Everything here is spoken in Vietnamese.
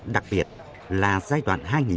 đặc biệt là giai đoạn hai